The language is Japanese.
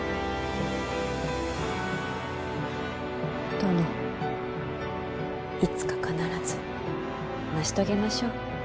殿いつか必ず成し遂げましょう。